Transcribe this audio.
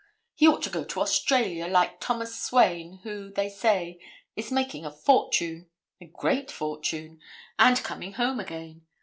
He ought to go to Australia, like Thomas Swain, who, they say, is making a fortune a great fortune and coming home again.